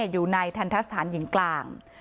อยู่ในทันทะสถานหญิงกลาง